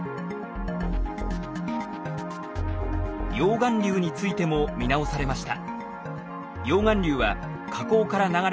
溶岩流についても見直されました。